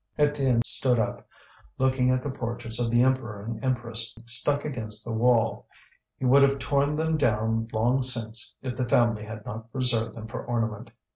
Étienne stood up, looking at the portraits of the Emperor and Empress stuck against the wall. He would have torn them down long since if the family had not preserved them for ornament.